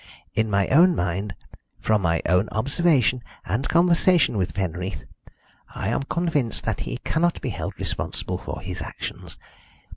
In my own mind from my own observation and conversation with Penreath I am convinced that he cannot be held responsible for his actions.